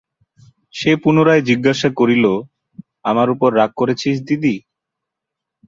সে পুনরায় জিজ্ঞাসা করিল-আমার উপর রাগ করেছিস দিদি?